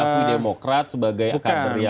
anda tidak diakui demokrat sebagai kader yang